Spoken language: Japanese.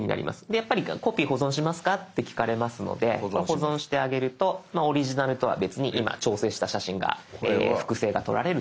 やっぱりコピー保存しますかって聞かれますので保存してあげるとオリジナルとは別に今調整した写真が複製がとられるっていうことです。